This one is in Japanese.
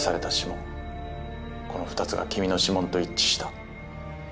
この２つが君の指紋と一致した。